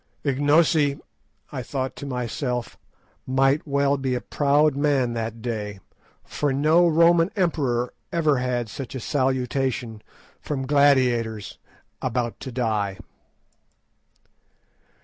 Ignosi, I thought to myself, might well be a proud man that day, for no Roman emperor ever had such a salutation from gladiators "about to die."